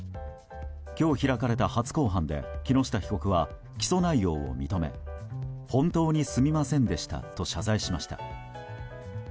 今日開かれた初公判で木下被告は起訴内容を認め本当にすみませんでしたと謝罪しました。